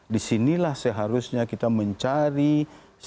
di sinilah seharusnya kita mencari strategi